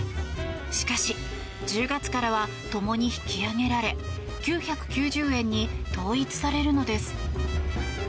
しかし、１０月からはともに引き上げられ９９０円に統一されるのです。